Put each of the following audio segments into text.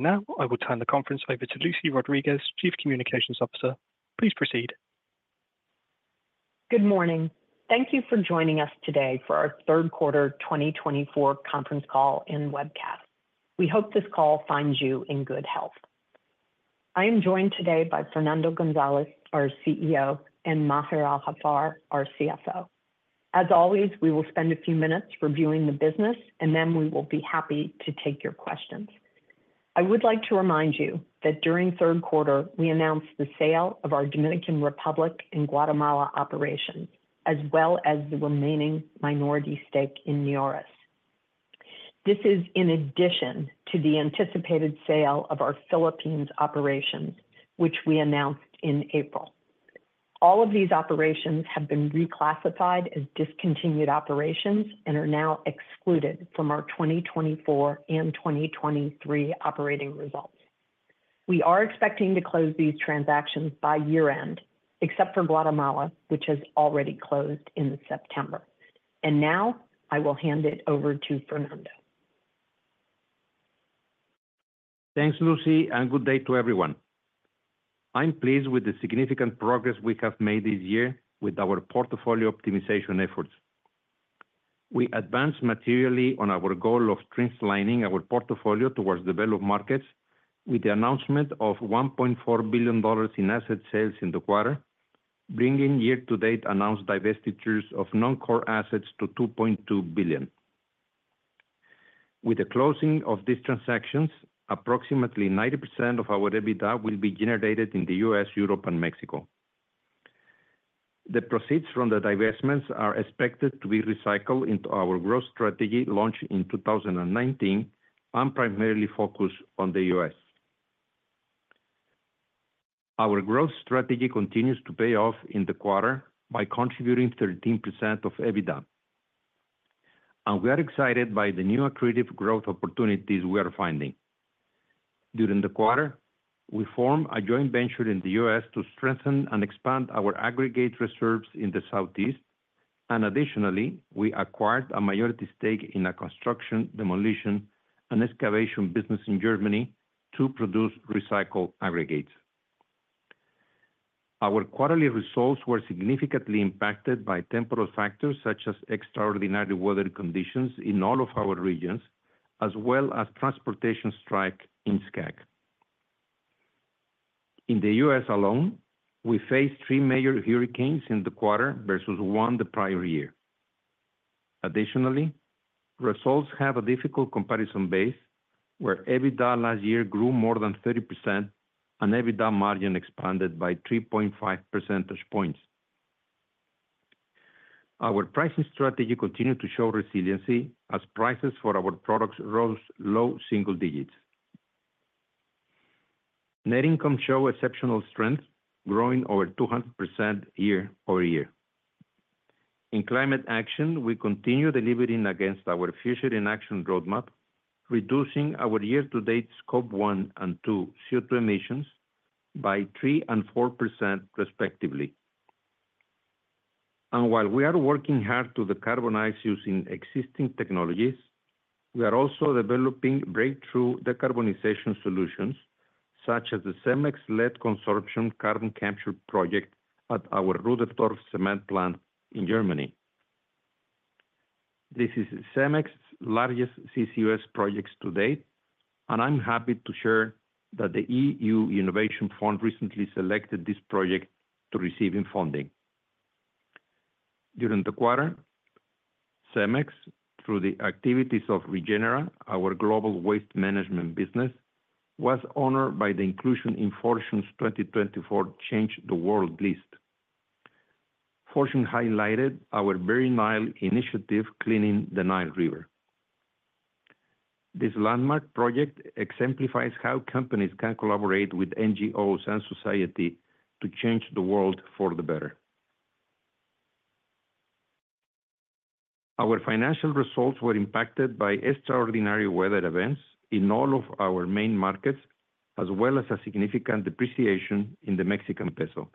Now I will turn the conference over to Lucy Rodriguez, Chief Communications Officer. Please proceed. Good morning. Thank you for joining us today for our third quarter twenty twenty-four conference call and webcast. We hope this call finds you in good health. I am joined today by Fernando González, our CEO, and Maher Al-Haffar, our CFO. As always, we will spend a few minutes reviewing the business, and then we will be happy to take your questions. I would like to remind you that during the third quarter, we announced the sale of our Dominican Republic and Guatemala operations, as well as the remaining minority stake in Neoris. This is in addition to the anticipated sale of our Philippines operations, which we announced in April. All of these operations have been reclassified as discontinued operations and are now excluded from our twenty twenty-four and twenty twenty-three operating results. We are expecting to close these transactions by year-end, except for Guatemala, which has already closed in September. Now I will hand it over to Fernando. Thanks, Lucy, and good day to everyone. I'm pleased with the significant progress we have made this year with our portfolio optimization efforts. We advanced materially on our goal of streamlining our portfolio towards developed markets with the announcement of $1.4 billion in asset sales in the quarter, bringing year-to-date announced divestitures of non-core assets to $2.2 billion. With the closing of these transactions, approximately 90% of our EBITDA will be generated in the U.S., Europe, and Mexico. The proceeds from the divestments are expected to be recycled into our growth strategy, launched in 2019 and primarily focused on the U.S. Our growth strategy continues to pay off in the quarter by contributing 13% of EBITDA, and we are excited by the new accretive growth opportunities we are finding. During the quarter, we formed a joint venture in the U.S. to strengthen and expand our aggregate reserves in the Southeast, and additionally, we acquired a majority stake in a construction, demolition, and excavation business in Germany to produce recycled aggregates. Our quarterly results were significantly impacted by temporal factors, such as extraordinary weather conditions in all of our regions, as well as transportation strike in SCAC. In the U.S. alone, we faced three major hurricanes in the quarter versus one the prior year. Additionally, results have a difficult comparison base, where EBITDA last year grew more than 30% and EBITDA margin expanded by 3.5 percentage points. Our pricing strategy continued to show resiliency as prices for our products rose low single digits. Net income showed exceptional strength, growing over 200% year-over-year. In climate action, we continue delivering against our Future in Action roadmap, reducing our year-to-date Scope 1 and 2 CO2 emissions by 3% and 4%, respectively. And while we are working hard to decarbonize using existing technologies, we are also developing breakthrough decarbonization solutions, such as the Cemex-led low-consumption carbon capture project at our Rudersdorf cement plant in Germany. This is Cemex's largest CCUS project to date, and I'm happy to share that the EU Innovation Fund recently selected this project to receive funding. During the quarter, Cemex, through the activities of Regenera, our global waste management business, was honored by the inclusion in Fortune's 2024 Change the World list. Fortune highlighted our Very Nile initiative, cleaning the Nile River. This landmark project exemplifies how companies can collaborate with NGOs and society to change the world for the better. Our financial results were impacted by extraordinary weather events in all of our main markets, as well as a significant depreciation in the Mexican peso.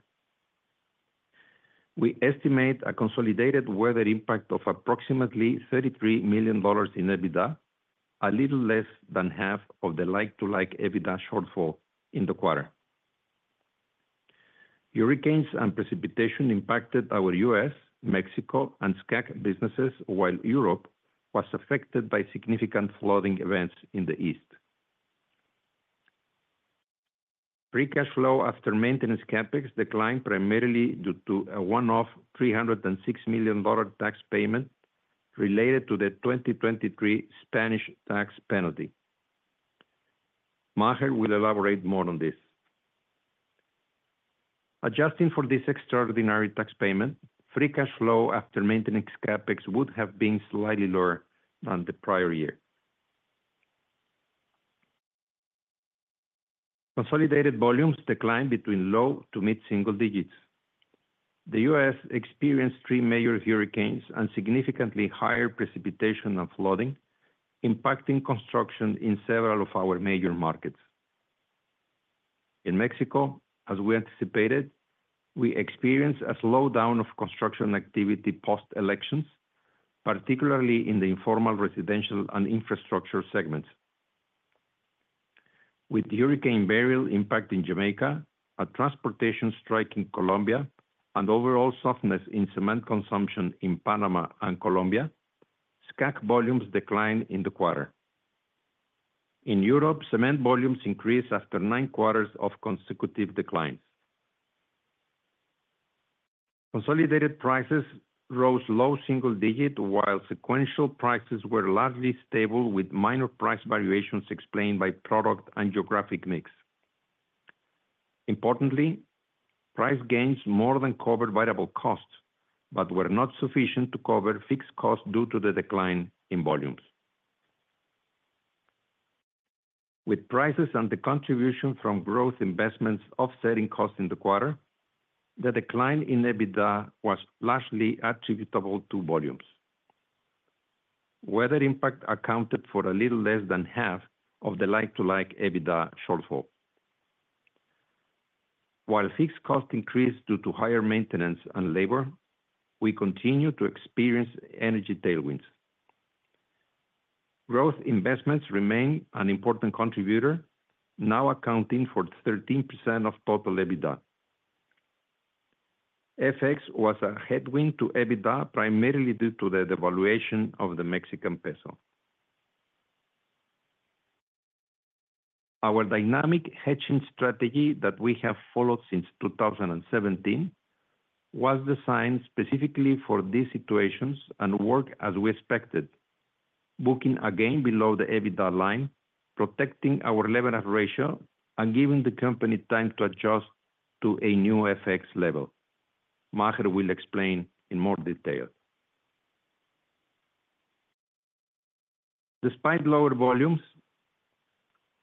We estimate a consolidated weather impact of approximately $33 million in EBITDA, a little less than half of the like-to-like EBITDA shortfall in the quarter. Hurricanes and precipitation impacted our U.S., Mexico, and SCAC businesses, while Europe was affected by significant flooding events in the east. Free cash flow after maintenance CapEx declined primarily due to a one-off $306 million tax payment related to the 2023 Spanish tax penalty. Maher will elaborate more on this. Adjusting for this extraordinary tax payment, free cash flow after maintenance CapEx would have been slightly lower than the prior year. Consolidated volumes declined between low- to mid-single digits. The U.S. experienced three major hurricanes and significantly higher precipitation and flooding, impacting construction in several of our major markets. In Mexico, as we anticipated, we experienced a slowdown of construction activity post-elections, particularly in the informal, residential, and infrastructure segments. With the Hurricane Beryl impact in Jamaica, a transportation strike in Colombia, and overall softness in cement consumption in Panama and Colombia, SCAC volumes declined in the quarter. In Europe, cement volumes increased after nine quarters of consecutive declines. Consolidated prices rose low single digit, while sequential prices were largely stable, with minor price variations explained by product and geographic mix. Importantly, price gains more than covered variable costs, but were not sufficient to cover fixed costs due to the decline in volumes. With prices and the contribution from growth investments offsetting costs in the quarter, the decline in EBITDA was largely attributable to volumes. Weather impact accounted for a little less than half of the like-for-like EBITDA shortfall. While fixed costs increased due to higher maintenance and labor, we continue to experience energy tailwinds. Growth investments remain an important contributor, now accounting for 13% of total EBITDA. FX was a headwind to EBITDA, primarily due to the devaluation of the Mexican peso. Our dynamic hedging strategy that we have followed since 2017, was designed specifically for these situations and work as we expected, booking again below the EBITDA line, protecting our leverage ratio, and giving the company time to adjust to a new FX level. Maher will explain in more detail. Despite lower volumes,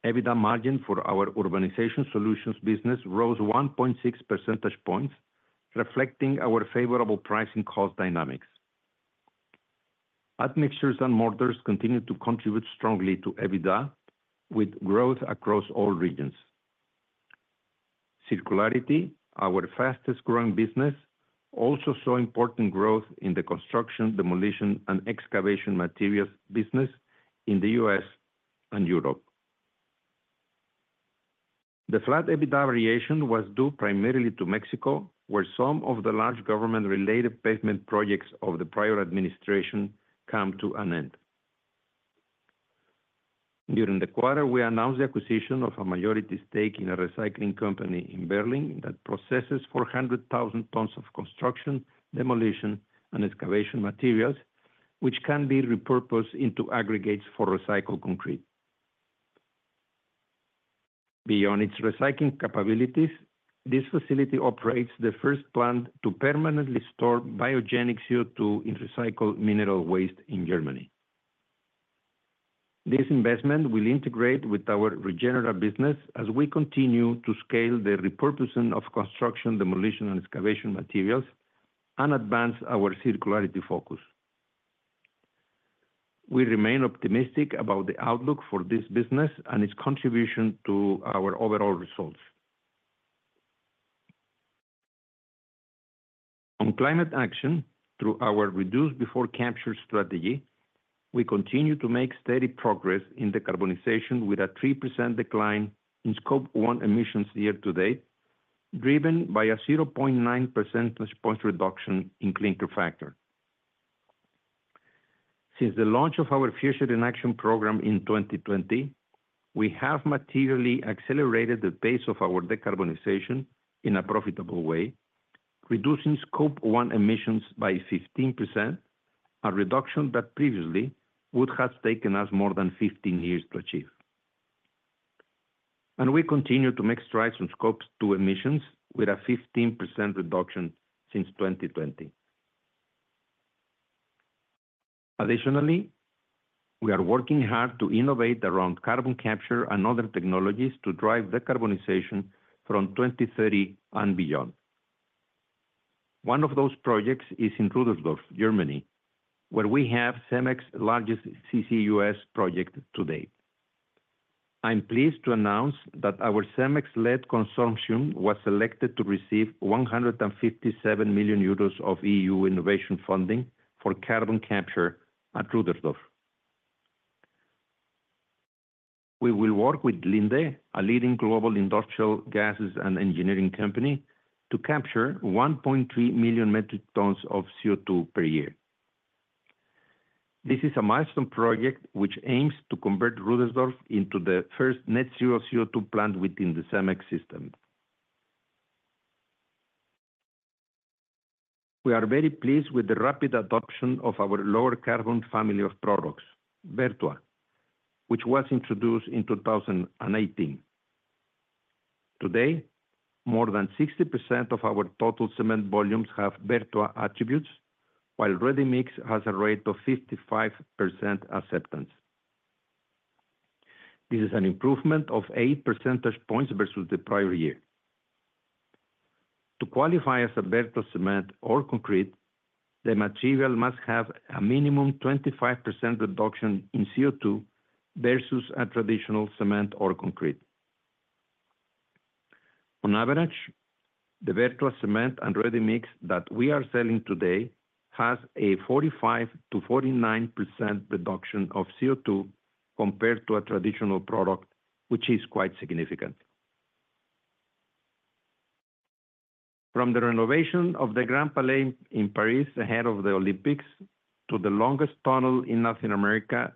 EBITDA margin for our Urbanization Solutions business rose 1.6 percentage points, reflecting our favorable pricing cost dynamics. Admixtures and mortars continued to contribute strongly to EBITDA, with growth across all regions. Circularity, our fastest growing business, also saw important growth in the construction, demolition, and excavation materials business in the U.S. and Europe. The flat EBITDA variation was due primarily to Mexico, where some of the large government-related pavement projects of the prior administration come to an end. During the quarter, we announced the acquisition of a majority stake in a recycling company in Berlin that processes four hundred thousand tons of construction, demolition, and excavation materials, which can be repurposed into aggregates for recycled concrete. Beyond its recycling capabilities, this facility operates the first plant to permanently store biogenic CO2 in recycled mineral waste in Germany. This investment will integrate with our Regenera business as we continue to scale the repurposing of construction, demolition, and excavation materials, and advance our circularity focus. We remain optimistic about the outlook for this business and its contribution to our overall results. On climate action, through our reduce before capture strategy, we continue to make steady progress in decarbonization, with a 3% decline in Scope 1 emissions year to date, driven by a 0.9 percentage point reduction in clinker factor. Since the launch of our Future in Action program in 2020, we have materially accelerated the pace of our decarbonization in a profitable way, reducing Scope 1 emissions by 15%, a reduction that previously would have taken us more than 15 years to achieve. And we continue to make strides in Scope 2 emissions, with a 15% reduction since 2020. Additionally, we are working hard to innovate around carbon capture and other technologies to drive decarbonization from 2030 and beyond. One of those projects is in Rudersdorf, Germany, where we have Cemex's largest CCUS project to date. I'm pleased to announce that our Cemex-led consortium was selected to receive 157 million euros of EU innovation funding for carbon capture at Rudersdorf. We will work with Linde, a leading global industrial gases and engineering company, to capture 1.3 million metric tons of CO2 per year. This is a milestone project, which aims to convert Rudersdorf into the first net zero CO2 plant within the Cemex system. We are very pleased with the rapid adoption of our lower carbon family of products, Vertua, which was introduced in 2018. Today, more than 60% of our total cement volumes have Vertua attributes, while ready-mix has a rate of 55% acceptance. This is an improvement of eight percentage points versus the prior year. To qualify as a Vertua cement or concrete, the material must have a minimum 25% reduction in CO2 versus a traditional cement or concrete. On average, the Vertua cement and ready-mix that we are selling today has a 45%-49% reduction of CO2 compared to a traditional product, which is quite significant. From the renovation of the Grand Palais in Paris, ahead of the Olympics, to the longest tunnel in North America,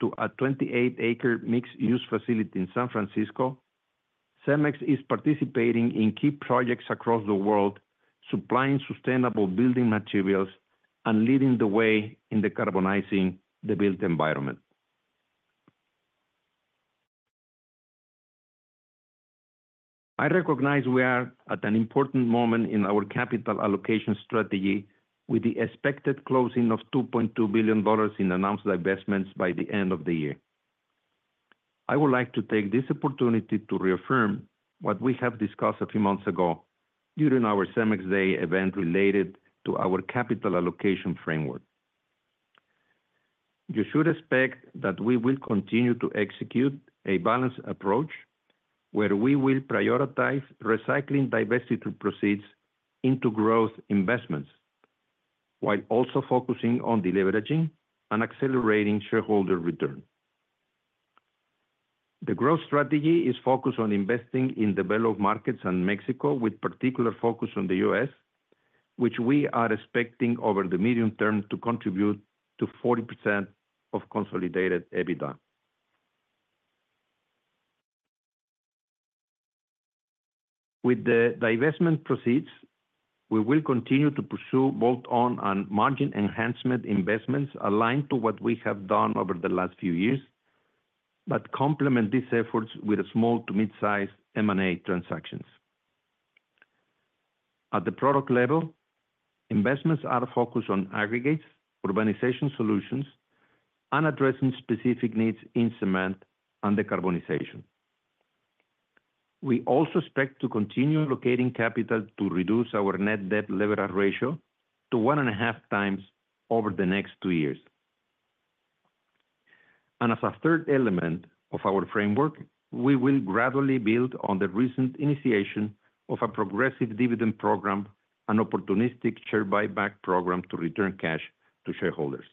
to a 28-acre mixed-use facility in San Francisco, CEMEX is participating in key projects across the world, supplying sustainable building materials and leading the way in decarbonizing the built environment. I recognize we are at an important moment in our capital allocation strategy, with the expected closing of $2.2 billion in announced investments by the end of the year. I would like to take this opportunity to reaffirm what we have discussed a few months ago during our CEMEX Day event related to our capital allocation framework. You should expect that we will continue to execute a balanced approach, where we will prioritize recycling divestiture proceeds into growth investments, while also focusing on deleveraging and accelerating shareholder return. The growth strategy is focused on investing in developed markets and Mexico, with particular focus on the U.S., which we are expecting over the medium term to contribute to 40% of consolidated EBITDA. With the divestment proceeds, we will continue to pursue bolt-on and margin enhancement investments aligned to what we have done over the last few years, but complement these efforts with a small to mid-size M&A transactions. At the product level, investments are focused on aggregates, Urbanization Solutions, and addressing specific needs in cement and decarbonization. We also expect to continue allocating capital to reduce our net debt leverage ratio to one and a half times over the next two years. And as a third element of our framework, we will gradually build on the recent initiation of a progressive dividend program and opportunistic share buyback program to return cash to shareholders.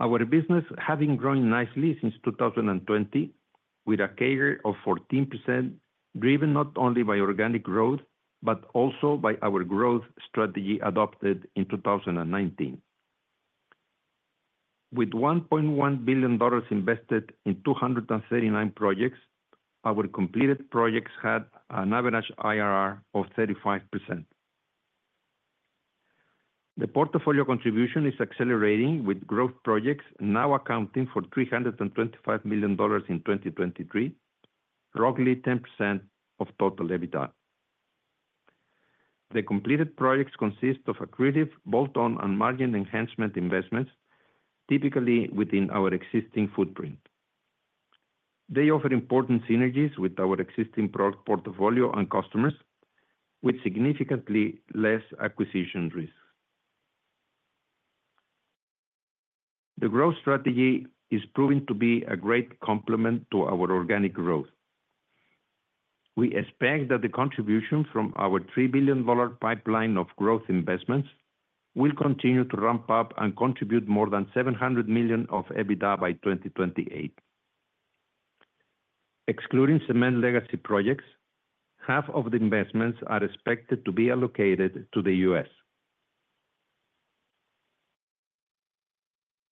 Our business having grown nicely since 2020, with a CAGR of 14%, driven not only by organic growth, but also by our growth strategy adopted in 2019. With $1.1 billion invested in 239 projects, our completed projects had an average IRR of 35%. The portfolio contribution is accelerating, with growth projects now accounting for $325 million in 2023, roughly 10% of total EBITDA. The completed projects consist of accretive, bolt-on, and margin enhancement investments, typically within our existing footprint. They offer important synergies with our existing product portfolio and customers, with significantly less acquisition risk. The growth strategy is proving to be a great complement to our organic growth. We expect that the contribution from our $3 billion pipeline of growth investments will continue to ramp up and contribute more than 700 million of EBITDA by 2028. Excluding cement legacy projects, half of the investments are expected to be allocated to the U.S.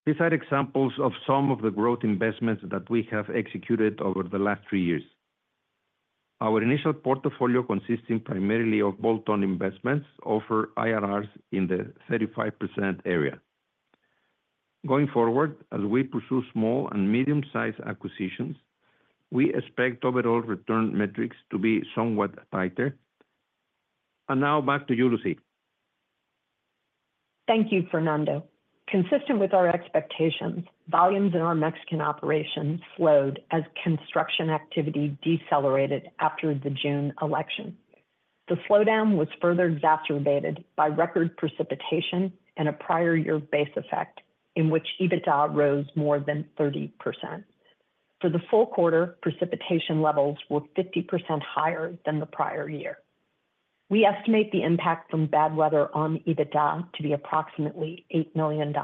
These are examples of some of the growth investments that we have executed over the last three years. Our initial portfolio, consisting primarily of bolt-on investments, offer IRRs in the 35% area. Going forward, as we pursue small and medium-sized acquisitions, we expect overall return metrics to be somewhat tighter. And now, back to you, Lucy. Thank you, Fernando. Consistent with our expectations, volumes in our Mexican operations slowed as construction activity decelerated after the June election. The slowdown was further exacerbated by record precipitation and a prior year base effect, in which EBITDA rose more than 30%. For the full quarter, precipitation levels were 50% higher than the prior year. We estimate the impact from bad weather on EBITDA to be approximately $8 million.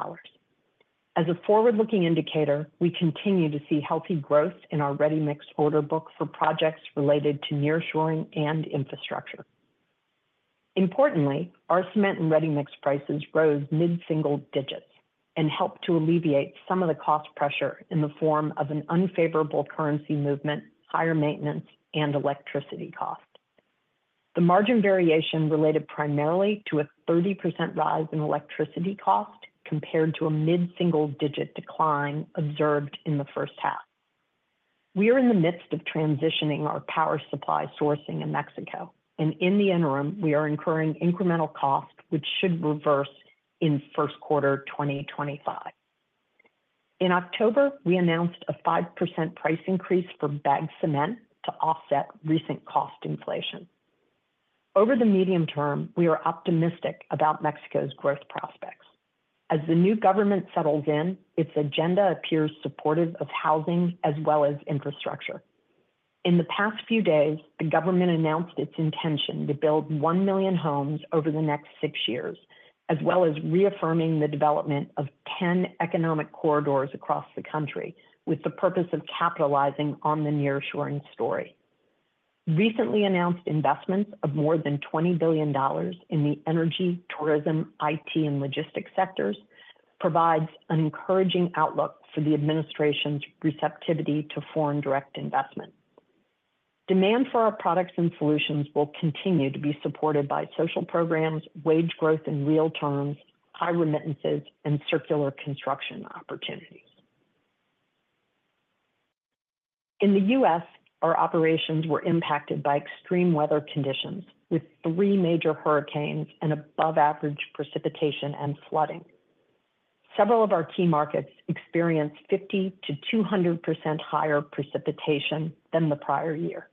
As a forward-looking indicator, we continue to see healthy growth in our ready-mix order book for projects related to nearshoring and infrastructure. Importantly, our cement and ready-mix prices rose mid-single digits and helped to alleviate some of the cost pressure in the form of an unfavorable currency movement, higher maintenance, and electricity cost. The margin variation related primarily to a 30% rise in electricity cost, compared to a mid-single digit decline observed in the first half. We are in the midst of transitioning our power supply sourcing in Mexico, and in the interim, we are incurring incremental costs, which should reverse in first quarter 2025. In October, we announced a 5% price increase for bagged cement to offset recent cost inflation. Over the medium term, we are optimistic about Mexico's growth prospects. As the new government settles in, its agenda appears supportive of housing as well as infrastructure. In the past few days, the government announced its intention to build one million homes over the next six years, as well as reaffirming the development of 10 economic corridors across the country, with the purpose of capitalizing on the nearshoring story. Recently announced investments of more than $20 billion in the energy, tourism, IT, and logistics sectors, provides an encouraging outlook for the administration's receptivity to foreign direct investment. Demand for our products and solutions will continue to be supported by social programs, wage growth in real terms, high remittances, and circular construction opportunities. In the U.S., our operations were impacted by extreme weather conditions, with three major hurricanes and above average precipitation and flooding. Several of our key markets experienced 50%-200% higher precipitation than the prior year.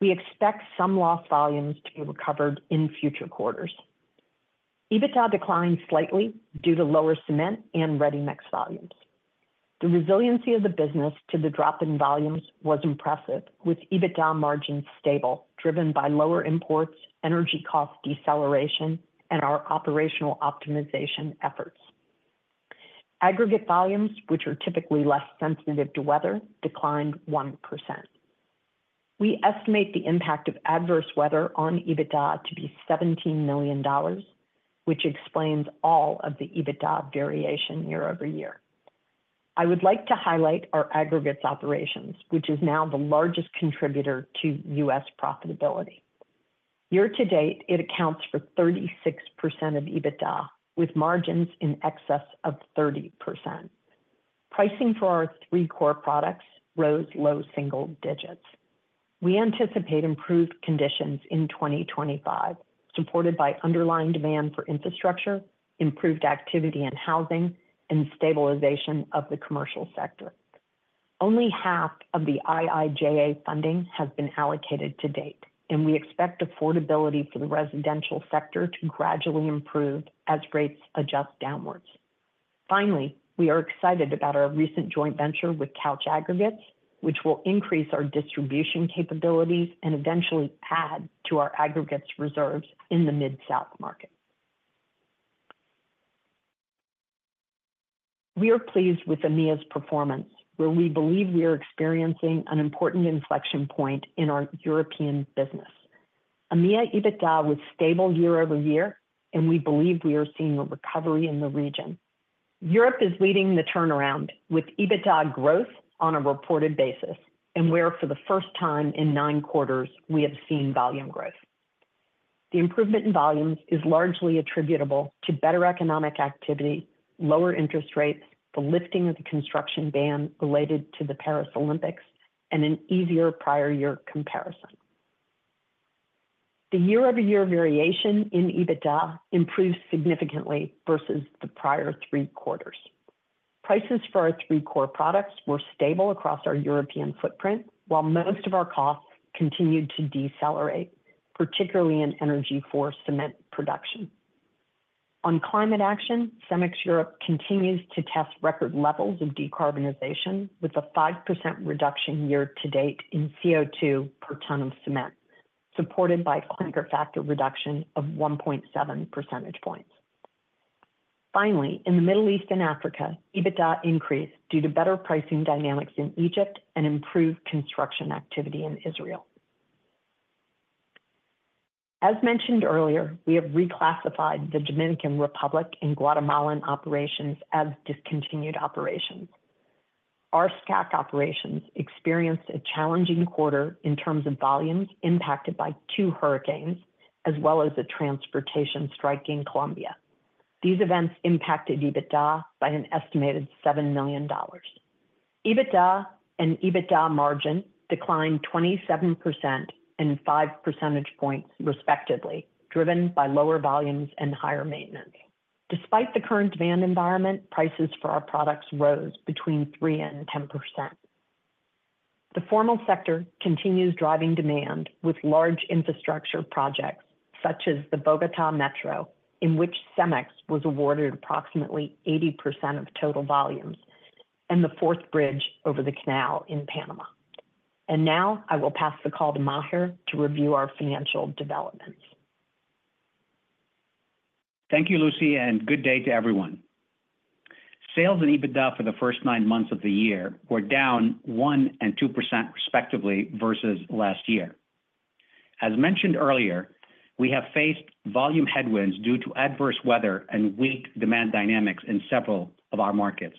We expect some lost volumes to be recovered in future quarters. EBITDA declined slightly due to lower cement and ready-mix volumes. The resiliency of the business to the drop in volumes was impressive, with EBITDA margins stable, driven by lower imports, energy cost deceleration, and our operational optimization efforts. Aggregate volumes, which are typically less sensitive to weather, declined 1%. We estimate the impact of adverse weather on EBITDA to be $17 million, which explains all of the EBITDA variation year-over-year. I would like to highlight our aggregates operations, which is now the largest contributor to U.S. profitability. Year to date, it accounts for 36% of EBITDA, with margins in excess of 30%. Pricing for our three core products rose low single digits. We anticipate improved conditions in 2025, supported by underlying demand for infrastructure, improved activity in housing, and stabilization of the commercial sector. Only half of the IIJA funding has been allocated to date, and we expect affordability for the residential sector to gradually improve as rates adjust downwards. Finally, we are excited about our recent joint venture with Couch Aggregates, which will increase our distribution capabilities and eventually add to our aggregates reserves in the Mid-South market. We are pleased with EMEA's performance, where we believe we are experiencing an important inflection point in our European business. EMEA EBITDA was stable year-over-year, and we believe we are seeing a recovery in the region. Europe is leading the turnaround, with EBITDA growth on a reported basis, and where for the first time in nine quarters we have seen volume growth. The improvement in volumes is largely attributable to better economic activity, lower interest rates, the lifting of the construction ban related to the Paris Olympics, and an easier prior year comparison. The year-over-year variation in EBITDA improved significantly versus the prior three quarters. Prices for our three core products were stable across our European footprint, while most of our costs continued to decelerate, particularly in energy for cement production. On climate action, Cemex Europe continues to test record levels of decarbonization, with a 5% reduction year to date in CO2 per ton of cement, supported by a factor reduction of one point seven percentage points. Finally, in the Middle East and Africa, EBITDA increased due to better pricing dynamics in Egypt and improved construction activity in Israel. As mentioned earlier, we have reclassified the Dominican Republic and Guatemalan operations as discontinued operations. Our SCAC operations experienced a challenging quarter in terms of volumes impacted by two hurricanes, as well as a transportation strike in Colombia. These events impacted EBITDA by an estimated $7 million. EBITDA and EBITDA margin declined 27% and five percentage points, respectively, driven by lower volumes and higher maintenance. Despite the current demand environment, prices for our products rose between 3% and 10%. The formal sector continues driving demand with large infrastructure projects such as the Bogota Metro, in which Cemex was awarded approximately 80% of total volumes, and the fourth bridge over the canal in Panama. Now I will pass the call to Maher to review our financial developments. Thank you, Lucy, and good day to everyone. Sales and EBITDA for the first nine months of the year were down 1% and 2%, respectively, versus last year. As mentioned earlier, we have faced volume headwinds due to adverse weather and weak demand dynamics in several of our markets.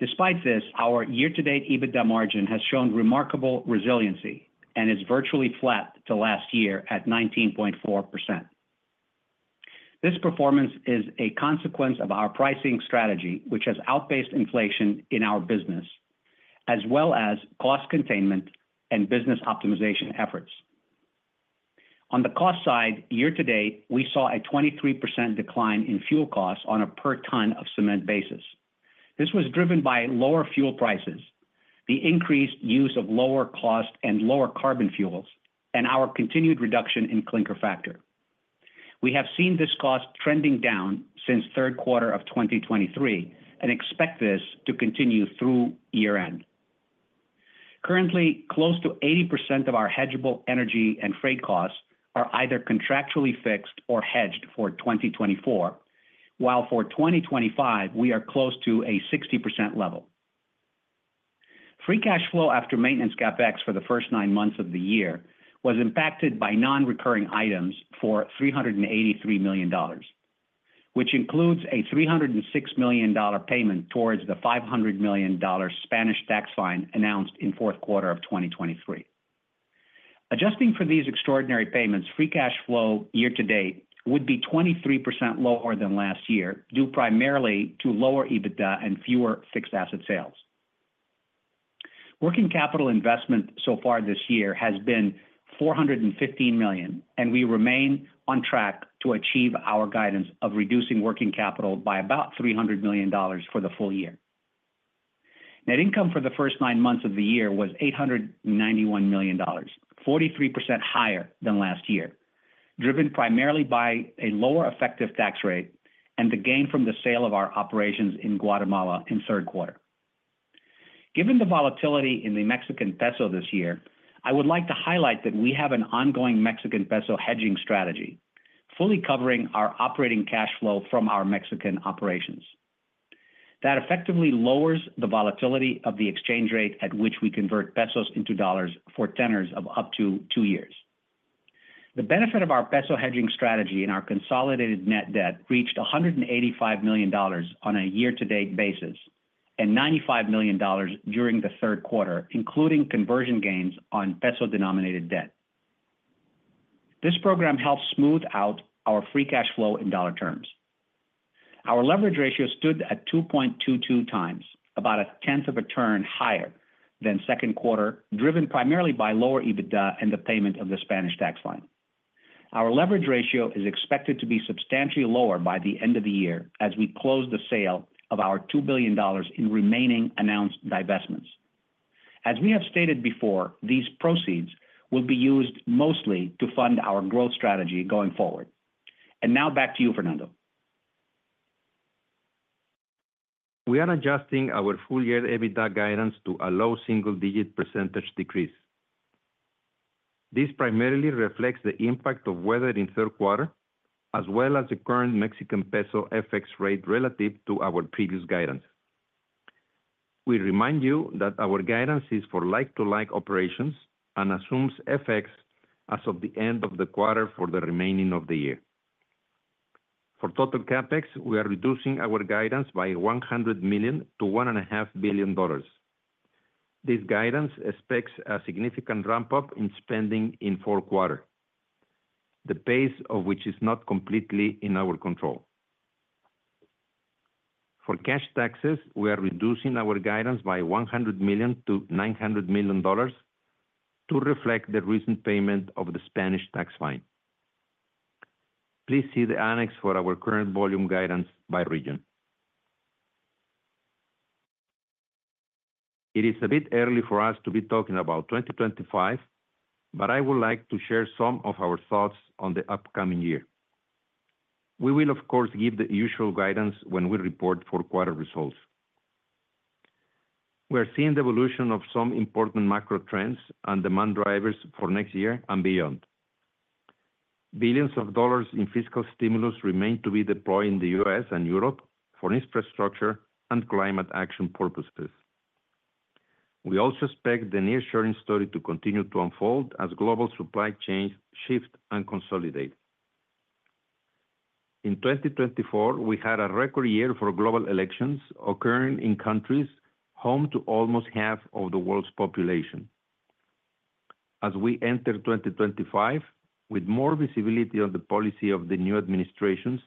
Despite this, our year-to-date EBITDA margin has shown remarkable resiliency and is virtually flat to last year at 19.4%. This performance is a consequence of our pricing strategy, which has outpaced inflation in our business, as well as cost containment and business optimization efforts. On the cost side, year-to-date, we saw a 23% decline in fuel costs on a per ton of cement basis. This was driven by lower fuel prices, the increased use of lower cost and lower carbon fuels, and our continued reduction in clinker factor. We have seen this cost trending down since third quarter of 2023, and expect this to continue through year-end. Currently, close to 80% of our hedgeable energy and freight costs are either contractually fixed or hedged for 2024, while for 2025, we are close to a 60% level. Free cash flow after maintenance CapEx for the first nine months of the year was impacted by non-recurring items for $383 million, which includes a $306 million payment towards the $500 million Spanish tax fine announced in fourth quarter of 2023. Adjusting for these extraordinary payments, free cash flow year to date would be 23% lower than last year, due primarily to lower EBITDA and fewer fixed asset sales. Working capital investment so far this year has been $415 million, and we remain on track to achieve our guidance of reducing working capital by about $300 million for the full year. Net income for the first nine months of the year was $891 million, 43% higher than last year, driven primarily by a lower effective tax rate and the gain from the sale of our operations in Guatemala in third quarter. Given the volatility in the Mexican peso this year, I would like to highlight that we have an ongoing Mexican peso hedging strategy, fully covering our operating cash flow from our Mexican operations. That effectively lowers the volatility of the exchange rate at which we convert pesos into dollars for tenors of up to two years. The benefit of our peso hedging strategy and our consolidated net debt reached $185 million on a year-to-date basis, and $95 million during the third quarter, including conversion gains on peso-denominated debt. This program helps smooth out our free cash flow in dollar terms. Our leverage ratio stood at 2.22 times, about a tenth of a turn higher than second quarter, driven primarily by lower EBITDA and the payment of the Spanish tax fine. Our leverage ratio is expected to be substantially lower by the end of the year as we close the sale of our $2 billion in remaining announced divestments. As we have stated before, these proceeds will be used mostly to fund our growth strategy going forward. And now back to you, Fernando. We are adjusting our full-year EBITDA guidance to a low single-digit % decrease. This primarily reflects the impact of weather in third quarter, as well as the current Mexican peso FX rate relative to our previous guidance. We remind you that our guidance is for like-to-like operations and assumes FX as of the end of the quarter for the remaining of the year. For total CapEx, we are reducing our guidance by $100 million-$1.5 billion. This guidance expects a significant ramp-up in spending in fourth quarter, the pace of which is not completely in our control. For cash taxes, we are reducing our guidance by $100 million-$900 million to reflect the recent payment of the Spanish tax fine. Please see the annex for our current volume guidance by region. It is a bit early for us to be talking about twenty twenty-five, but I would like to share some of our thoughts on the upcoming year. We will, of course, give the usual guidance when we report fourth quarter results. We are seeing the evolution of some important macro trends and demand drivers for next year and beyond. Billions of dollars in fiscal stimulus remain to be deployed in the U.S. and Europe for infrastructure and climate action purposes. We also expect the nearshoring story to continue to unfold as global supply chains shift and consolidate. In twenty twenty-four, we had a record year for global elections occurring in countries home to almost half of the world's population. As we enter twenty twenty-five, with more visibility on the policy of the new administrations,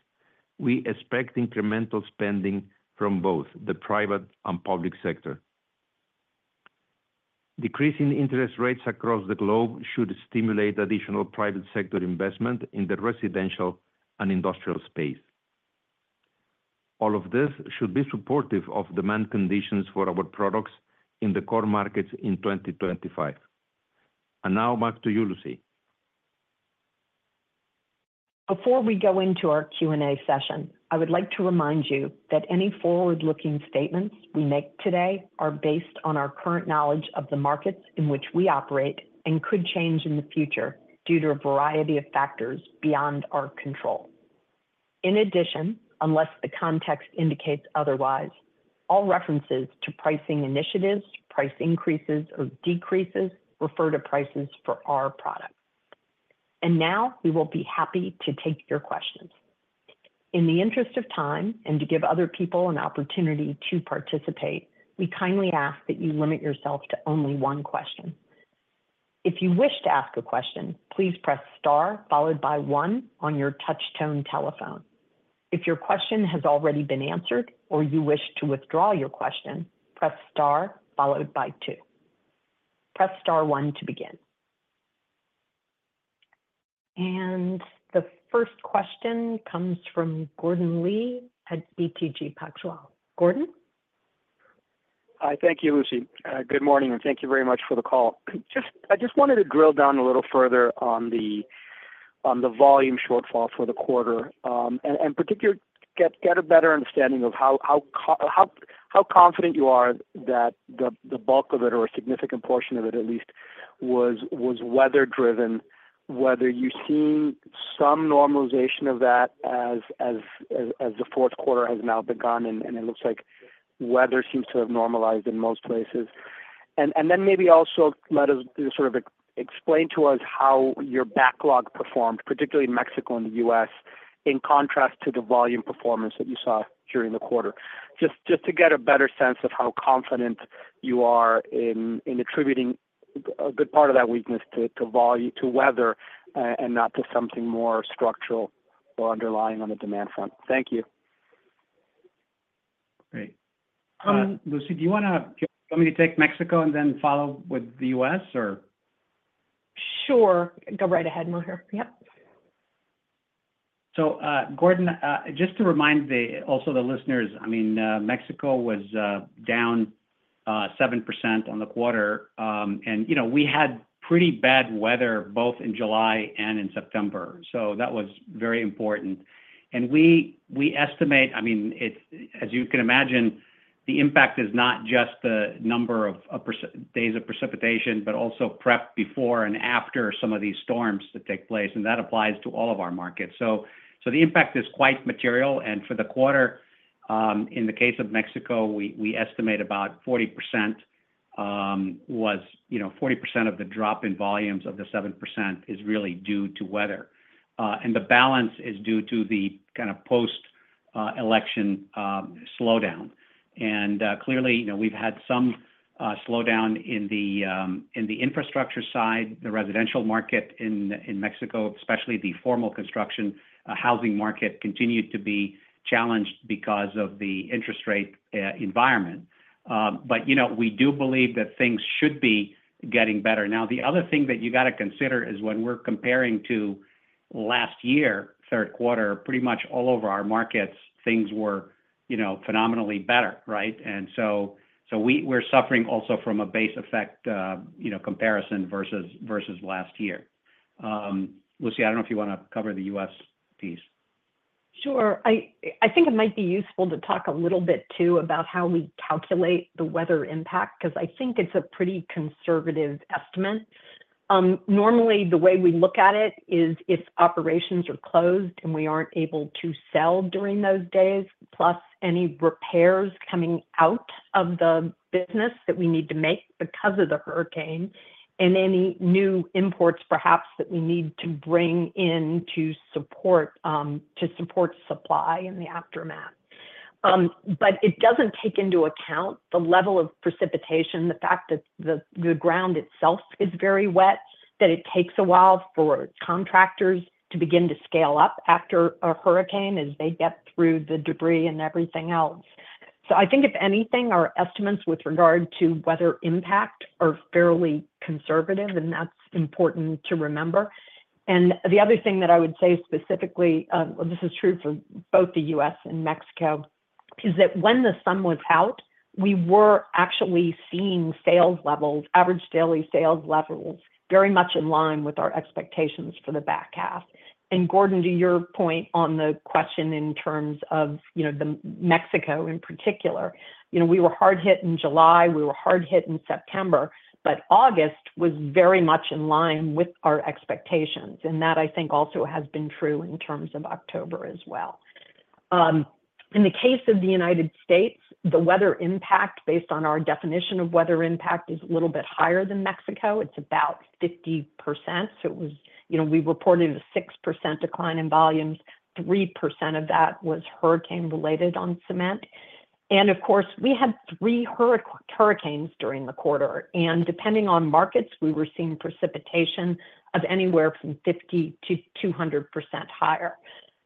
we expect incremental spending from both the private and public sector. Decreasing interest rates across the globe should stimulate additional private sector investment in the residential and industrial space. All of this should be supportive of demand conditions for our products in the core markets in 2025. And now back to you, Lucy. Before we go into our Q&A session, I would like to remind you that any forward-looking statements we make today are based on our current knowledge of the markets in which we operate and could change in the future due to a variety of factors beyond our control. In addition, unless the context indicates otherwise, all references to pricing initiatives, price increases or decreases, refer to prices for our products. And now, we will be happy to take your questions. In the interest of time and to give other people an opportunity to participate, we kindly ask that you limit yourself to only one question. If you wish to ask a question, please press star followed by one on your touchtone telephone.... If your question has already been answered or you wish to withdraw your question, press star followed by two. Press star one to begin. The first question comes from Gordon Lee at BTG Pactual. Gordon? Hi. Thank you, Lucy. Good morning, and thank you very much for the call. Just I just wanted to drill down a little further on the volume shortfall for the quarter, and in particular, get a better understanding of how confident you are that the bulk of it, or a significant portion of it at least, was weather driven. Whether you're seeing some normalization of that as the fourth quarter has now begun, and it looks like weather seems to have normalized in most places, and then maybe also let us sort of explain to us how your backlog performed, particularly in Mexico and the US, in contrast to the volume performance that you saw during the quarter. Just to get a better sense of how confident you are in attributing a good part of that weakness to weather, and not to something more structural or underlying on the demand front? Thank you. Great. Um- Lucy, do you want me to take Mexico and then follow with the U.S., or? Sure. Go right ahead, Maher. Yep. So, Gordon, just to remind the listeners also, I mean, Mexico was down 7% on the quarter. You know, we had pretty bad weather, both in July and in September, so that was very important. We estimate. I mean, it's, as you can imagine, the impact is not just the number of days of precipitation, but also prep before and after some of these storms that take place, and that applies to all of our markets, so the impact is quite material. For the quarter, in the case of Mexico, we estimate about 40%, you know, 40% of the drop in volumes of the 7% is really due to weather. The balance is due to the kind of post-election slowdown. Clearly, you know, we've had some slowdown in the infrastructure side, the residential market in Mexico, especially the formal construction housing market, continued to be challenged because of the interest rate environment. But, you know, we do believe that things should be getting better. Now, the other thing that you gotta consider is when we're comparing to last year, third quarter, pretty much all over our markets, things were, you know, phenomenally better, right? And so we're suffering also from a base effect, you know, comparison versus last year. Lucy, I don't know if you wanna cover the U.S. piece. Sure. I think it might be useful to talk a little bit, too, about how we calculate the weather impact, 'cause I think it's a pretty conservative estimate. Normally, the way we look at it is, if operations are closed and we aren't able to sell during those days, plus any repairs coming out of the business that we need to make because of the hurricane, and any new imports, perhaps, that we need to bring in to support supply in the aftermath, but it doesn't take into account the level of precipitation, the fact that the ground itself is very wet, that it takes a while for contractors to begin to scale up after a hurricane as they get through the debris and everything else. I think, if anything, our estimates with regard to weather impact are fairly conservative, and that's important to remember. The other thing that I would say specifically, well, this is true for both the U.S. and Mexico, is that when the sun was out, we were actually seeing sales levels, average daily sales levels, very much in line with our expectations for the back half. Gordon, to your point on the question in terms of, you know, the Mexico in particular, you know, we were hard hit in July, we were hard hit in September, but August was very much in line with our expectations. That, I think, also has been true in terms of October as well. In the case of the United States, the weather impact, based on our definition of weather impact, is a little bit higher than Mexico. It's about 50%. So it was. You know, we reported a 6% decline in volumes, 3% of that was hurricane-related on cement. And of course, we had three hurricanes during the quarter, and depending on markets, we were seeing precipitation of anywhere from 50%-200% higher.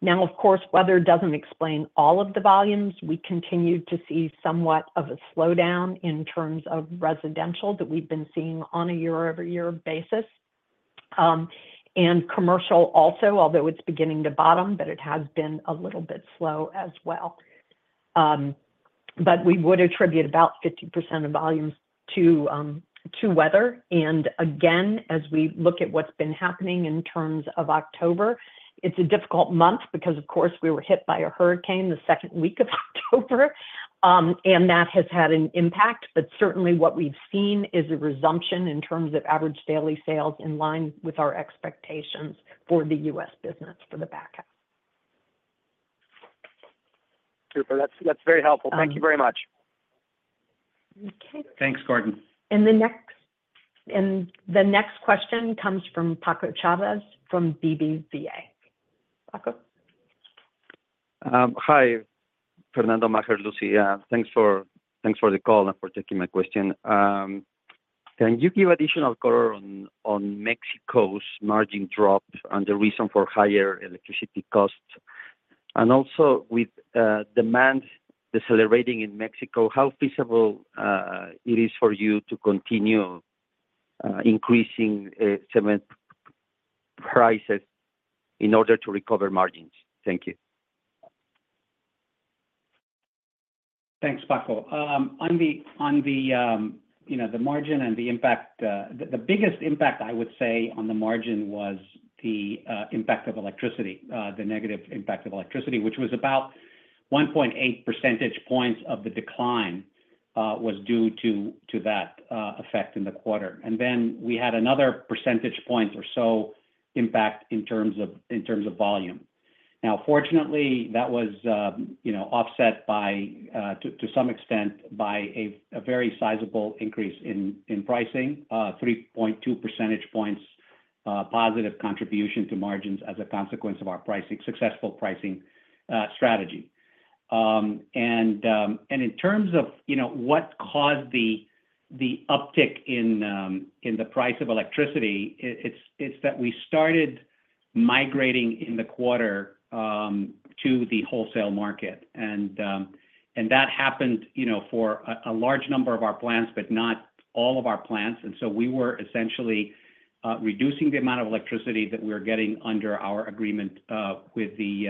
Now, of course, weather doesn't explain all of the volumes. We continued to see somewhat of a slowdown in terms of residential, that we've been seeing on a year-over-year basis. And commercial also, although it's beginning to bottom, but it has been a little bit slow as well. But we would attribute about 50% of volumes to weather. And again, as we look at what's been happening in terms of October, it's a difficult month because, of course, we were hit by a hurricane the second week of October, and that has had an impact. But certainly, what we've seen is a resumption in terms of average daily sales in line with our expectations for the U.S. business for the back half. Super. That's, that's very helpful. Um- Thank you very much. Okay. Thanks, Gordon. And the next question comes from Paco Chavez from BBVA. Paco? Hi, Fernando, Maher, Lucy. Thanks for the call and for taking my question. Can you give additional color on Mexico's margin drop and the reason for higher electricity costs? And also, with demand decelerating in Mexico, how feasible it is for you to continue increasing cement prices in order to recover margins? Thank you. Thanks, Paco. On the, you know, the margin and the impact, the biggest impact, I would say, on the margin was the impact of electricity, the negative impact of electricity, which was about 1.8 percentage points of the decline, was due to that effect in the quarter. And then we had another percentage point or so impact in terms of volume. Now, fortunately, that was, you know, offset by, to some extent, by a very sizable increase in pricing, 3.2 percentage points, positive contribution to margins as a consequence of our pricing, successful pricing strategy. In terms of, you know, what caused the uptick in the price of electricity, it's that we started migrating in the quarter to the wholesale market. And that happened, you know, for a large number of our plants, but not all of our plants. So we were essentially reducing the amount of electricity that we were getting under our agreement with the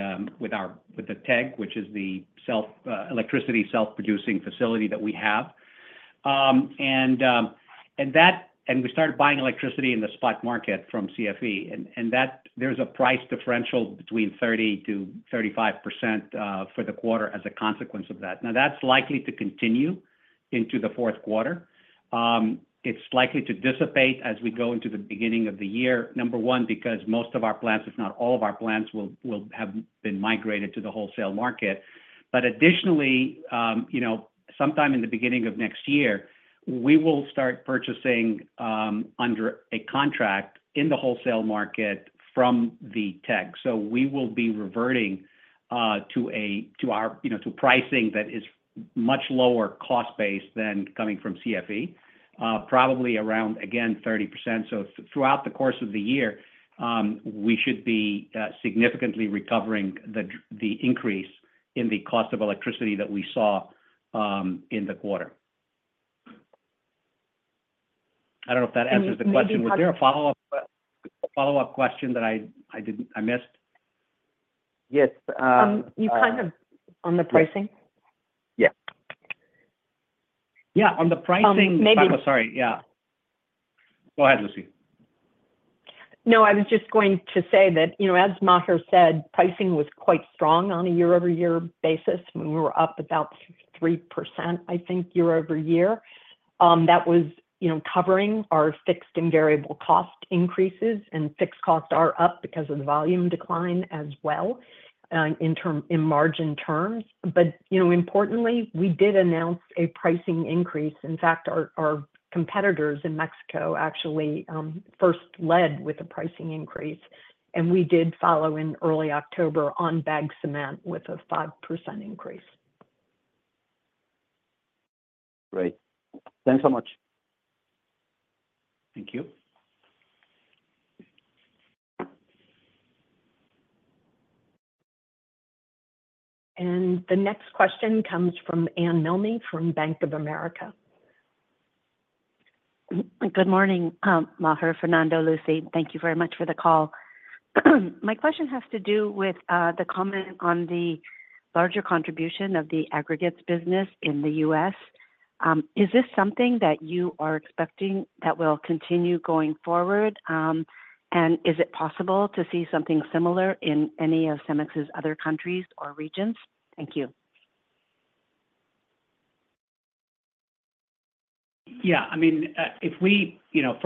TEG, which is the self-supply power plant facility that we have. And we started buying electricity in the spot market from CFE, and that there's a price differential between 30% to 35% for the quarter as a consequence of that. Now, that's likely to continue into the fourth quarter. It's likely to dissipate as we go into the beginning of the year, number one, because most of our plants, if not all of our plants, will have been migrated to the wholesale market. But additionally, you know, sometime in the beginning of next year, we will start purchasing under a contract in the wholesale market from the TEG. So we will be reverting to our, you know, to pricing that is much lower cost base than coming from CFE, probably around, again, 30%. So throughout the course of the year, we should be significantly recovering the increase in the cost of electricity that we saw in the quarter. I don't know if that answers the question. Was there a follow-up question that I did miss? Yes. You kind of... On the pricing? Yeah. Yeah, on the pricing- Um, maybe- Paco, sorry, yeah. Go ahead, Lucy. No, I was just going to say that, you know, as Maher said, pricing was quite strong on a year-over-year basis. We were up about 3%, I think, year-over-year. That was, you know, covering our fixed and variable cost increases, and fixed costs are up because of the volume decline as well, in margin terms, but you know, importantly, we did announce a pricing increase. In fact, our competitors in Mexico actually first led with a pricing increase, and we did follow in early October on bag cement with a 5% increase. Great. Thanks so much. Thank you. The next question comes from Anne Milne from Bank of America. Good morning, Maher, Fernando, Lucy. Thank you very much for the call. My question has to do with the comment on the larger contribution of the aggregates business in the U.S. Is this something that you are expecting that will continue going forward? And is it possible to see something similar in any of Cemex's other countries or regions? Thank you. Yeah, I mean, if we, you know,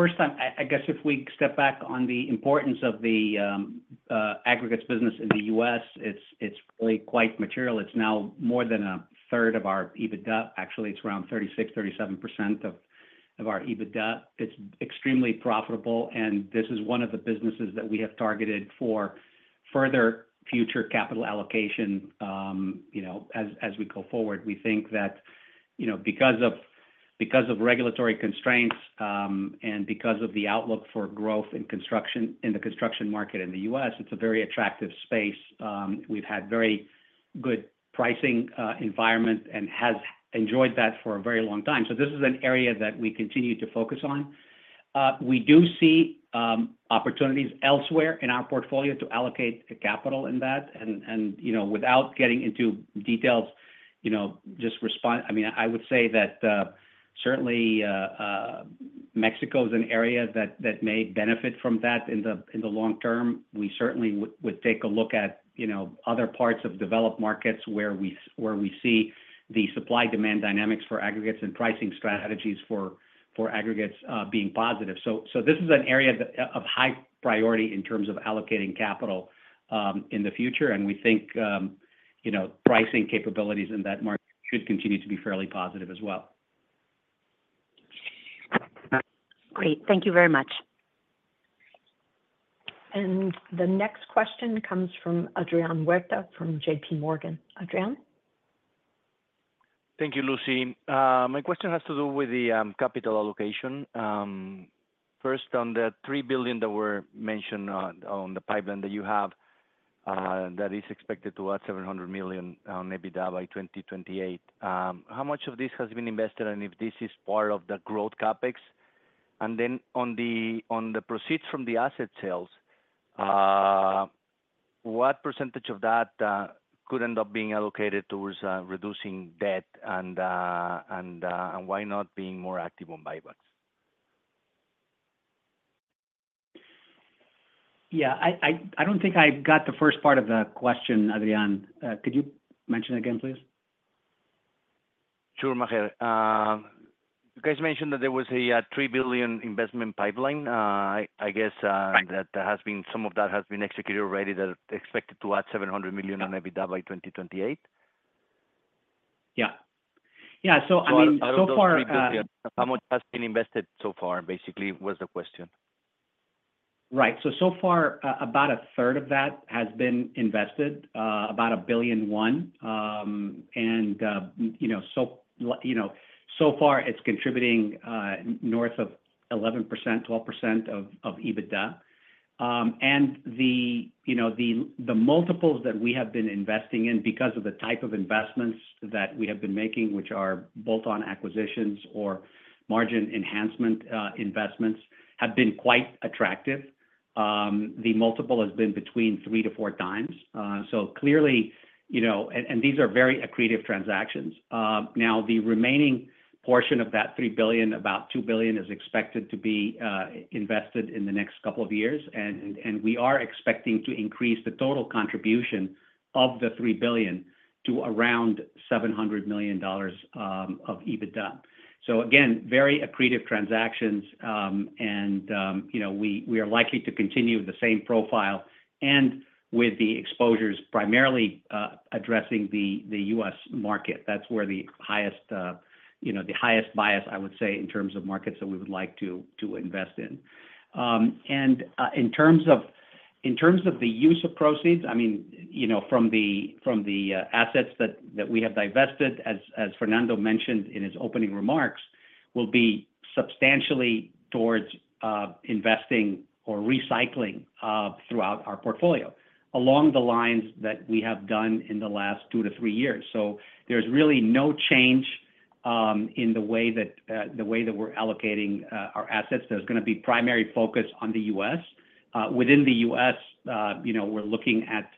I guess if we step back on the importance of the aggregates business in the U.S., it's really quite material. It's now more than a third of our EBITDA. Actually, it's around 36%-37% of our EBITDA. It's extremely profitable, and this is one of the businesses that we have targeted for further future capital allocation, you know, as we go forward. We think that, you know, because of regulatory constraints and because of the outlook for growth in construction, in the construction market in the U.S., it's a very attractive space. We've had very good pricing environment and has enjoyed that for a very long time. So this is an area that we continue to focus on. We do see opportunities elsewhere in our portfolio to allocate the capital in that. You know, without getting into details, you know, I mean, I would say that, certainly, Mexico is an area that may benefit from that in the long term. We certainly would take a look at, you know, other parts of developed markets where we see the supply-demand dynamics for aggregates and pricing strategies for aggregates being positive. This is an area that, of high priority in terms of allocating capital in the future, and we think, you know, pricing capabilities in that market should continue to be fairly positive as well. Great. Thank you very much. ... And the next question comes from Adrian Huerta from JPMorgan. Adrian? Thank you, Lucy. My question has to do with the capital allocation. First, on the $3 billion that were mentioned on the pipeline that you have, that is expected to add $700 million on EBITDA by 2028. How much of this has been invested, and if this is part of the growth CapEx? And then on the proceeds from the asset sales, what percentage of that could end up being allocated towards reducing debt? And why not being more active on buybacks? Yeah, I don't think I got the first part of the question, Adrian. Could you mention again, please? Sure, Maher. You guys mentioned that there was a $3 billion investment pipeline. I guess, some of that has been executed already, that expected to add $700 million on EBITDA by 2028. Yeah. Yeah, so I mean, so far, How much has been invested so far, basically, was the question. Right. So, so far, about a third of that has been invested, about $1 billion. And, you know, so far, it's contributing, north of 11%-12% of EBITDA. And the, you know, the multiples that we have been investing in, because of the type of investments that we have been making, which are bolt-on acquisitions or margin enhancement investments, have been quite attractive. The multiple has been between 3-4 times. So clearly, you know, and these are very accretive transactions. Now, the remaining portion of that $3 billion, about $2 billion, is expected to be invested in the next couple of years, and we are expecting to increase the total contribution of the $3 billion to around $700 million of EBITDA. So again, very accretive transactions, and, you know, we are likely to continue the same profile and with the exposures, primarily addressing the U.S. market. That's where the highest, you know, bias, I would say, in terms of markets that we would like to invest in. And in terms of the use of proceeds, I mean, you know, from the assets that we have divested, as Fernando mentioned in his opening remarks, will be substantially towards investing or recycling through our portfolio, along the lines that we have done in the last two to three years. So there's really no change in the way that we're allocating our assets. There's gonna be primary focus on the U.S. Within the U.S., you know, we're looking at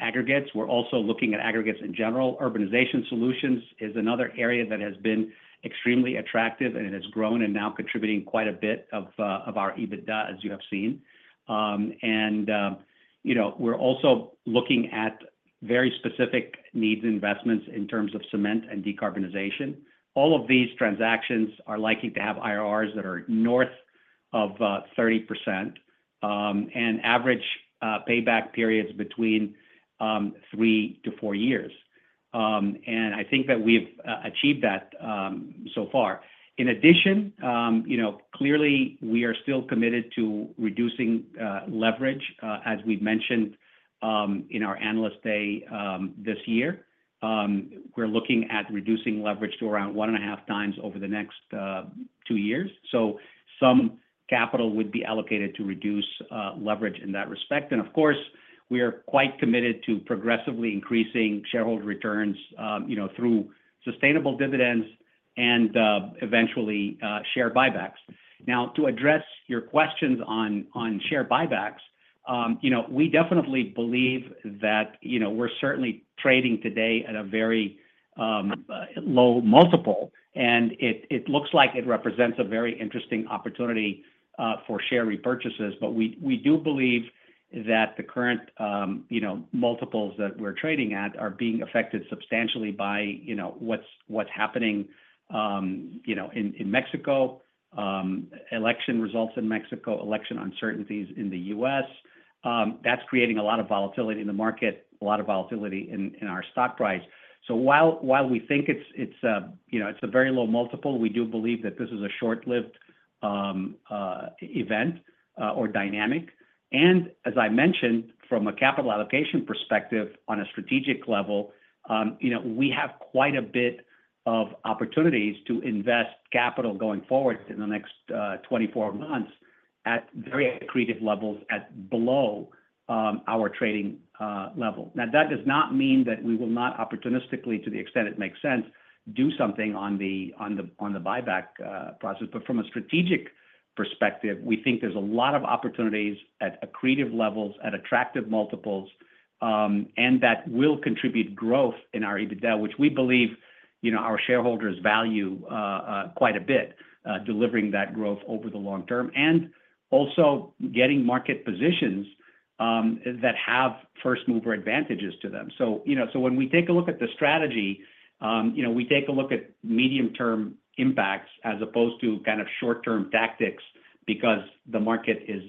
aggregates. We're also looking at aggregates in general. Urbanization Solutions is another area that has been extremely attractive and has grown and now contributing quite a bit of our EBITDA, as you have seen. And, you know, we're also looking at very specific needs investments in terms of cement and decarbonization. All of these transactions are likely to have IRRs that are north of 30%, and average payback periods between 3-4 years. And I think that we've achieved that so far. In addition, you know, clearly, we are still committed to reducing leverage, as we've mentioned, in our Analyst Day this year. We're looking at reducing leverage to around one and a half times over the next two years. So some capital would be allocated to reduce leverage in that respect. And of course, we are quite committed to progressively increasing shareholder returns, you know, through sustainable dividends and eventually share buybacks. Now, to address your questions on share buybacks, you know, we definitely believe that, you know, we're certainly trading today at a very low multiple, and it looks like it represents a very interesting opportunity for share repurchases. But we do believe that the current, you know, multiples that we're trading at are being affected substantially by, you know, what's happening, you know, in Mexico, election results in Mexico, election uncertainties in the U.S. That's creating a lot of volatility in the market, a lot of volatility in our stock price. While we think it's you know, it's a very low multiple, we do believe that this is a short-lived event or dynamic. And as I mentioned, from a capital allocation perspective, on a strategic level, you know, we have quite a bit of opportunities to invest capital going forward in the next twenty-four months at very accretive levels, at below our trading level. Now, that does not mean that we will not opportunistically, to the extent it makes sense, do something on the buyback process. But from a strategic perspective, we think there's a lot of opportunities at accretive levels, at attractive multiples, and that will contribute growth in our EBITDA, which we believe, you know, our shareholders value quite a bit, delivering that growth over the long term, and also getting market positions that have first-mover advantages to them. So, you know, so when we take a look at the strategy, you know, we take a look at medium-term impacts as opposed to kind of short-term tactics, because the market is,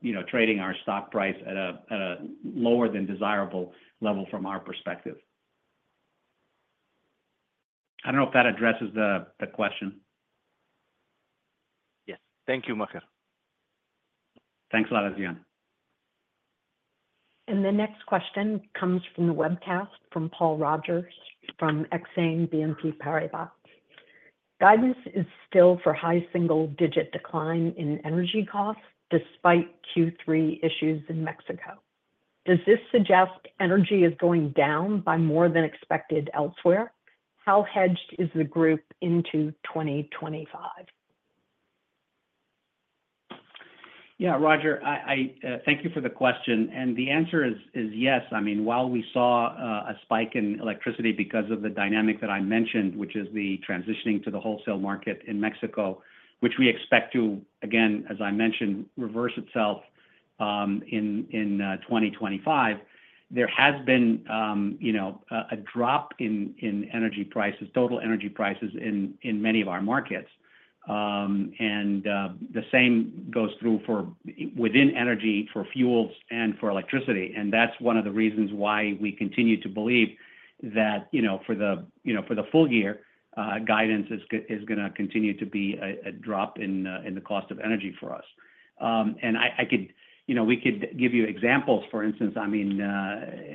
you know, trading our stock price at a lower than desirable level from our perspective... I don't know if that addresses the question? Yes. Thank you, Maher. Thanks a lot, Adrian. The next question comes from the webcast, from Paul Roger from Exane BNP Paribas. Guidance is still for high single-digit decline in energy costs despite Q3 issues in Mexico. Does this suggest energy is going down by more than expected elsewhere? How hedged is the group into twenty twenty-five? Yeah, Roger, thank you for the question. And the answer is yes. I mean, while we saw a spike in electricity because of the dynamic that I mentioned, which is the transitioning to the wholesale market in Mexico, which we expect to, again, as I mentioned, reverse itself in 2025. There has been, you know, a drop in energy prices, total energy prices in many of our markets. And the same goes through for, within energy, for fuels and for electricity, and that's one of the reasons why we continue to believe that, you know, for the, you know, for the full year, guidance is gonna continue to be a drop in the cost of energy for us. And I could... You know, we could give you examples. For instance, I mean,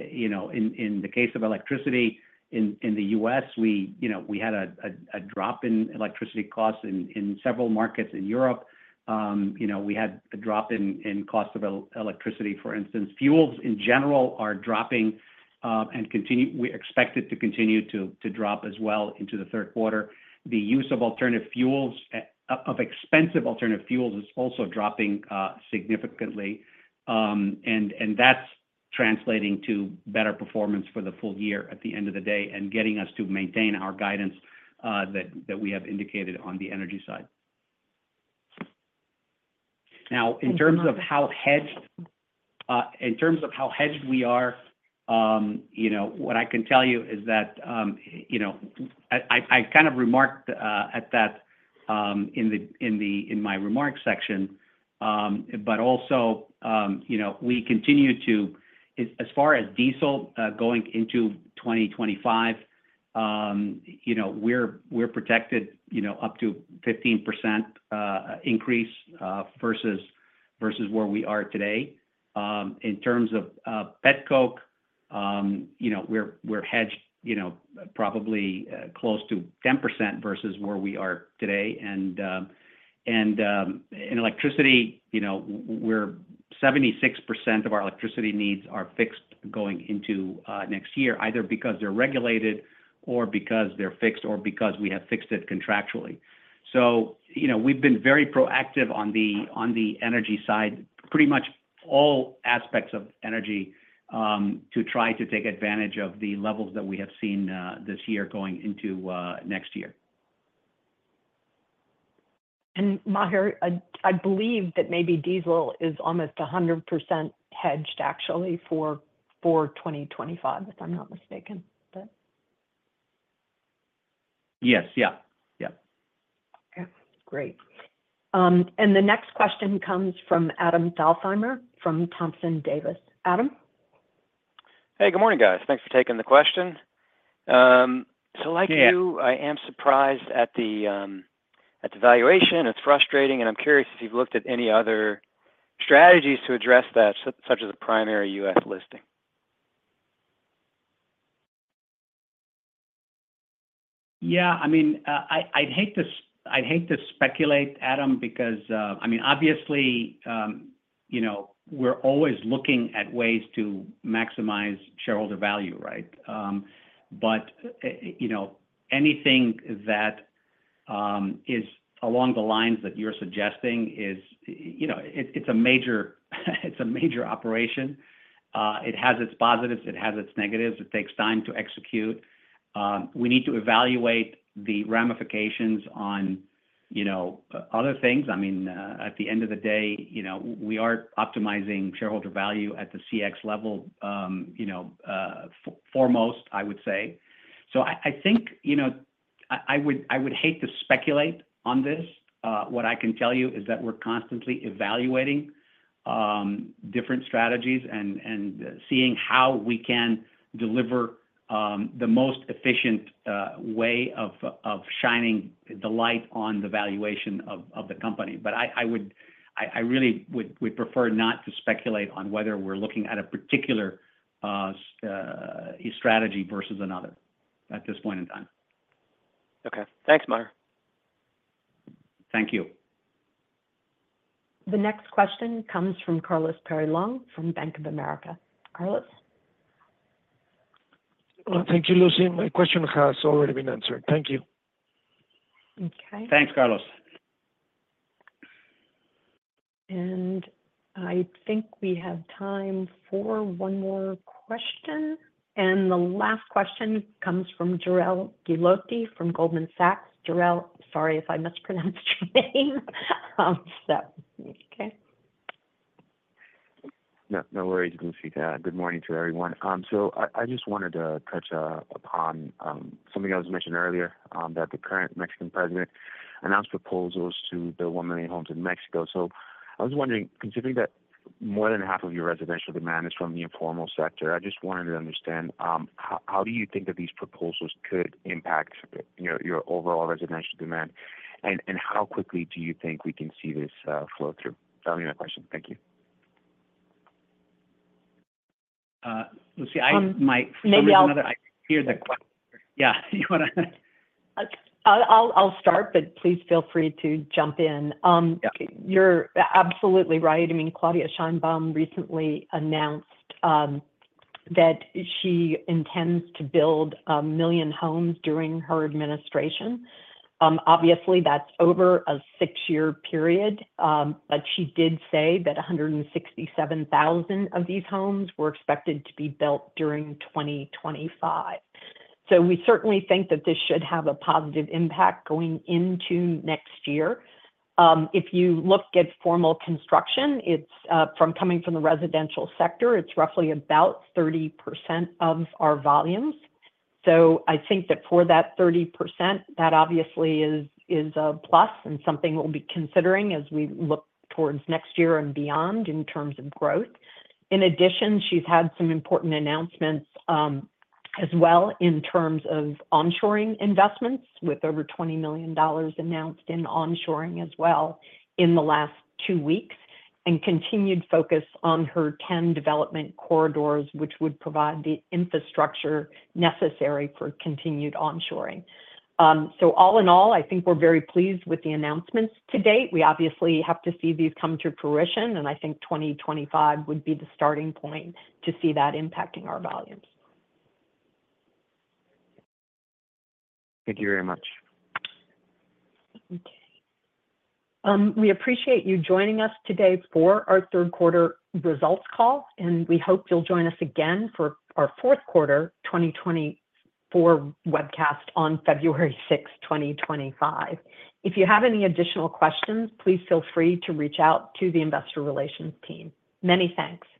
you know, in the case of electricity, in the U.S., we, you know, we had a drop in electricity costs in several markets in Europe. You know, we had a drop in cost of electricity, for instance. Fuels, in general, are dropping, and continue, we expect it to continue to drop as well into the third quarter. The use of alternative fuels, of expensive alternative fuels is also dropping, significantly. And that's translating to better performance for the full year at the end of the day, and getting us to maintain our guidance, that we have indicated on the energy side. Now, in terms of how hedged- In terms of how hedged we are, you know, what I can tell you is that, you know, I kind of remarked at that, in my remarks section. But also, you know, we continue to... As far as diesel, going into twenty twenty-five, you know, we're protected, you know, up to 15% increase, versus where we are today. In terms of petcoke, you know, we're hedged, you know, probably close to 10% versus where we are today. And in electricity, you know, we're 76% of our electricity needs are fixed going into next year, either because they're regulated or because they're fixed or because we have fixed it contractually. So, you know, we've been very proactive on the energy side to try to take advantage of the levels that we have seen this year going into next year. Maher, I believe that maybe diesel is almost 100% hedged, actually, for 2025, if I'm not mistaken. But... Yes. Yeah. Yeah. Okay, great. And the next question comes from Adam Thalhimer, from Thompson Davis. Adam? Hey, good morning, guys. Thanks for taking the question. So like you- Yeah... I am surprised at the, at the valuation. It's frustrating, and I'm curious if you've looked at any other strategies to address that, such as a primary U.S. listing? Yeah, I mean, I, I'd hate to speculate, Adam, because, I mean, obviously, you know, we're always looking at ways to maximize shareholder value, right? But, you know, anything that is along the lines that you're suggesting is, you know, it, it's a major, it's a major operation. It has its positives, it has its negatives, it takes time to execute. We need to evaluate the ramifications on, you know, other things. I mean, at the end of the day, you know, we are optimizing shareholder value at the CX level, you know, foremost, I would say. So I think, you know, I would hate to speculate on this. What I can tell you is that we're constantly evaluating different strategies and seeing how we can deliver the most efficient way of shining the light on the valuation of the company. But I really would prefer not to speculate on whether we're looking at a particular strategy versus another at this point in time. Okay. Thanks, Maher. Thank you. The next question comes from Carlos Peyrelongue, from Bank of America. Carlos? Thank you, Lucy. My question has already been answered. Thank you. Okay. Thanks, Carlos. I think we have time for one more question. The last question comes from Jorel Guilloty from Goldman Sachs. Jorel, sorry if I mispronounced your name. No, no worries, Lucy. Good morning to everyone. So I just wanted to touch upon something that was mentioned earlier, that the current Mexican president announced proposals to build one million homes in Mexico. So I was wondering, considering that more than half of your residential demand is from the informal sector, I just wanted to understand how do you think that these proposals could impact, you know, your overall residential demand? And how quickly do you think we can see this flow through? Fernando, that question. Thank you. Lucy, I might- Maybe I'll- I hear the question. Yeah, you wanna? I'll start, but please feel free to jump in. Yeah. You're absolutely right. I mean, Claudia Sheinbaum recently announced that she intends to build a million homes during her administration. Obviously, that's over a six-year period. But she did say that a hundred and sixty-seven thousand of these homes were expected to be built during twenty twenty-five. So we certainly think that this should have a positive impact going into next year. If you look at formal construction, it's from coming from the residential sector, it's roughly about 30% of our volumes. So I think that for that 30%, that obviously is a plus and something we'll be considering as we look towards next year and beyond in terms of growth. In addition, she's had some important announcements, as well in terms of onshoring investments, with over $20 billion announced in onshoring as well in the last two weeks, and continued focus on her 10 development corridors, which would provide the infrastructure necessary for continued onshoring, so all in all, I think we're very pleased with the announcements to date. We obviously have to see these come to fruition, and I think 2025 would be the starting point to see that impacting our volumes. Thank you very much. Okay. We appreciate you joining us today for our third quarter results call, and we hope you'll join us again for our fourth quarter twenty twenty-four webcast on February sixth, twenty twenty-five. If you have any additional questions, please feel free to reach out to the investor relations team. Many thanks.